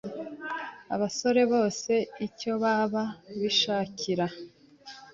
Abasore bose nicyo baba bishakira,